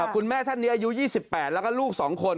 คุณแม่ท่านนี้อายุ๒๘แล้วก็ลูก๒คน